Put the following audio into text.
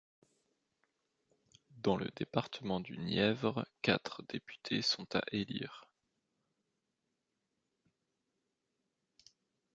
Dans le département du Nièvre, quatre députés sont à élire.